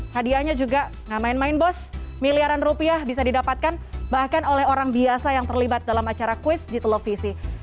hadiahnya juga gak main main bos miliaran rupiah bisa didapatkan bahkan oleh orang biasa yang terlibat dalam acara kuis di televisi